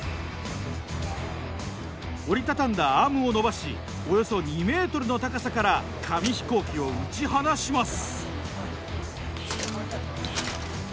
折り畳んだアームを伸ばしおよそ２ｍの高さから紙飛行機を打ち放します。